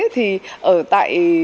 thì ở tại